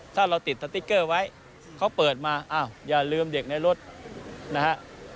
ถ้าเราติดไว้เขาเปิดมาอ่ะอย่าลืมเด็กในรถนะฮะ